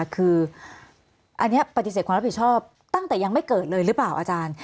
คืออันนี้ปฏิเสธความรับผิดชอบตั้งแต่ยังไม่เกิดเลยหรือเปล่าอาจารย์